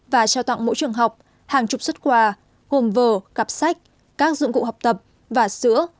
và trao tặng mỗi trường học hàng chục xuất quà gồm vờ cặp sách các dụng cụ học tập và sữa